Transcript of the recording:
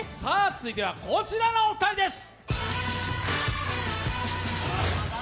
続いてはこちらのお二人です。